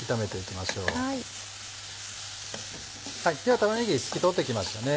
では玉ねぎ透き通ってきましたね。